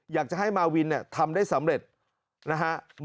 อยากจะให้มาวินทำได้สำเร็จนะฮะ